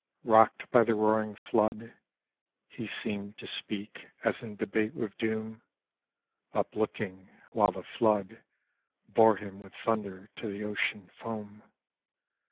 Rock'd by the roaring flood, He seem'd to speak as in debate with doom, Uplooking, while the flood Bore him with thunder to the ocean foam.